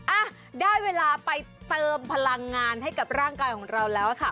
อ่ะได้เวลาไปเติมพลังงานให้กับร่างกายของเราแล้วค่ะ